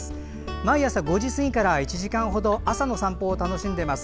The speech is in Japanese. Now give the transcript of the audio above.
毎朝、５時過ぎから１時間ほど朝の散歩を楽しんでいます。